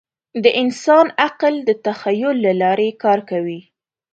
د انسان عقل د تخیل له لارې کار کوي.